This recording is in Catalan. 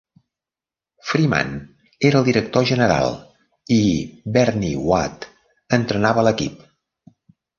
Freeman era el director general i Bernie Watt entrenava l'equip.